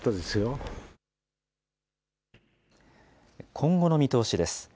今後の見通しです。